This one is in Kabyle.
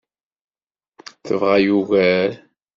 Tebɣa ugar.